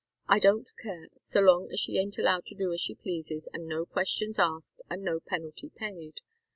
I don't care, so long as she ain't allowed to do as she pleases and no questions asked and no penalty paid.